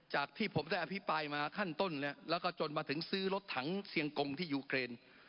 ที่ผมได้อภิปรายมาขั้นต้นแล้วก็จนมาถึงซื้อรถถังเสียงกงที่ยูเครน